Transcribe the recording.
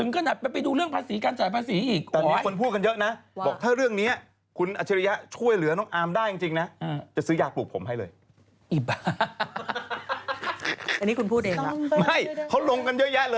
เขาลงกันเยอะแยะเลยจริงบี้บ้า